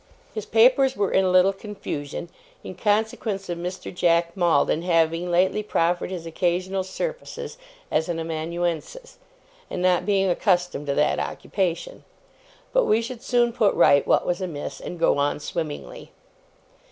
His papers were in a little confusion, in consequence of Mr. Jack Maldon having lately proffered his occasional services as an amanuensis, and not being accustomed to that occupation; but we should soon put right what was amiss, and go on swimmingly.